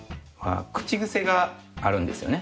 口癖があるんですよね。